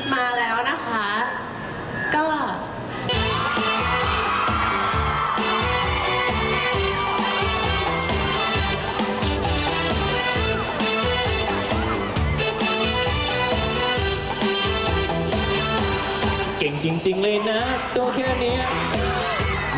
ว่าความรักของนายยังคงมีกันใช่ไหม